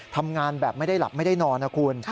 ทำงานแบบไม่ได้หลับไม่ได้นอนนะคุณ